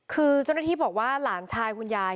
คือเจ้าหน้าที่บอกว่าหลานชายคุณยาย